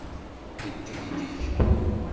Yeddegdeg.